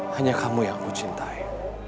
hanya kamu yang aku cintai